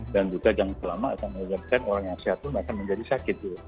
dan juga jangan terlalu lama akan mendadakkan orang yang sehat pun akan menjadi sakit